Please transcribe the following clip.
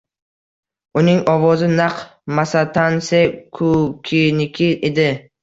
Uning ovozi naq Masatane Kukiniki edi